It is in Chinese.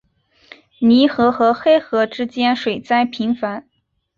泥河和黑河之间水灾频繁。